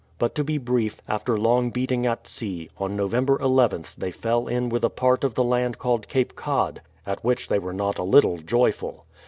But to be brief, after long beating at sea, on November nth they fell in with a part of the land called Cape Cod, at which they were not a little joyful.